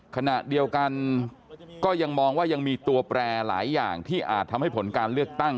ขณะเดียวกันก็ยังมองว่ายังมีตัวแปรหลายอย่างที่อาจทำให้ผลการเลือกตั้ง